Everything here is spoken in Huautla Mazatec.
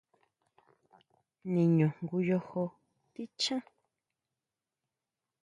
¿Niñu ngoyo tichján?